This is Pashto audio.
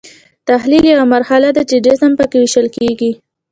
تحلیل یوه مرحله ده چې جسم پکې ویشل کیږي.